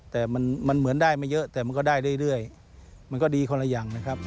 แต่มันเหมือนได้ไม่เยอะแต่มันก็ได้เรื่อยมันก็ดีคนละอย่างนะครับ